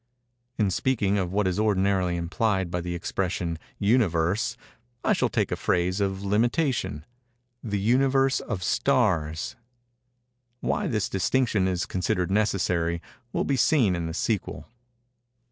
In speaking of what is ordinarily implied by the expression, "Universe," I shall take a phrase of limitation—"the Universe of stars." Why this distinction is considered necessary, will be seen in the sequel.